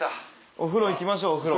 お風呂行きましょうお風呂。